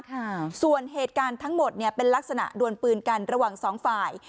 ค่ะส่วนเหตุการณ์ทั้งหมดเนี่ยเป็นลักษณะดวนปืนกันระหว่างสองฝ่าย